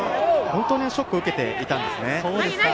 本当にショックを受けていたんですね。